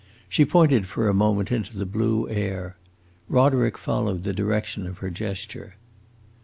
She pointed for a moment into the blue air. Roderick followed the direction of her gesture.